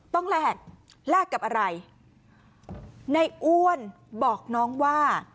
ต้องแลกแลกกับอะไรนายอ้วนบอกน้องว่า